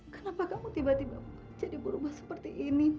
kenapa kamu tiba tiba jadi berubah seperti ini